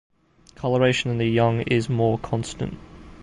Coloration in the young is more constant.